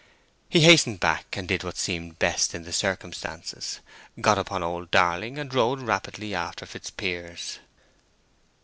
He hastened back, and did what seemed best in the circumstances—got upon old Darling, and rode rapidly after Fitzpiers.